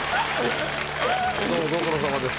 どうもご苦労さまです。